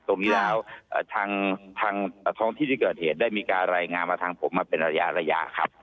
ตรงนี้แล้วทางท้องที่ที่เกิดเหตุได้มีการรายงานมาทางผมมาเป็นระยะครับ